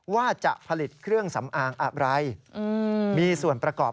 ยอมรับว่าการตรวจสอบเพียงเลขอยไม่สามารถทราบได้ว่าเป็นผลิตภัณฑ์ปลอม